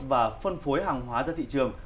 và phân phối hàng hóa ra thị trường